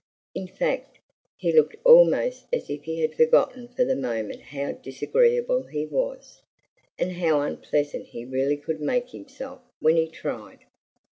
In fact, he looked almost as if he had forgotten for the moment how disagreeable he was, and how unpleasant he really could make himself when he tried.